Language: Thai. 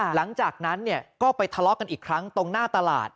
หลังจากนั้นก็ไปทะเลาะกันอีกครั้งตรงหน้าตลาด